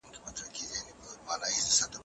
که انټرنیټ وي نو زده کړه نه دریږي.